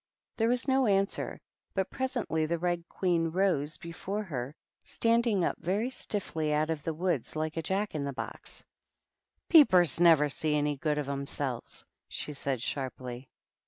There was no answer, but presently the Red Queen rose before her, standing up very stiffly out of the weeds like a Jack in the box. "Peepers never see any good of 'emselves," she said, sharply.